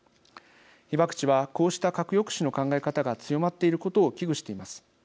被爆地は、こうした核抑止の考え方が強まっていることを危惧しています。